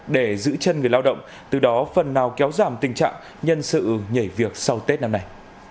để giữ chân người lao động từ đó phần nào kéo giảm tình trạng nhân sự nhảy việc sau tết năm nay